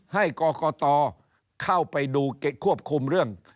ให้กรกตเข้าไปดูควบคุมเรื่อง